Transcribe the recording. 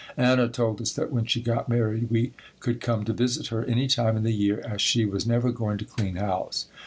Anna told us that when she got married we could come to visit her any time in the year as she was never going to clean house.